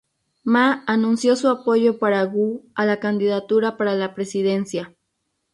Ma anunció su apoyo para Wu a la candidatura para la presidencia.